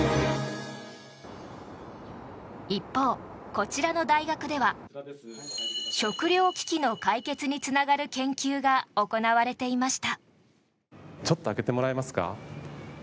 一方、こちらの大学では食糧危機の解決につながる研究が行われていました。